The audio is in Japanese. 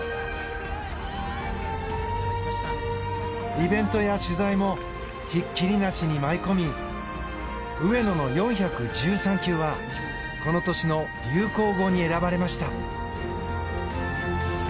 イベントや取材もひっきりなしに舞い込み「上野の４１３球」はこの年の流行語に選ばれました。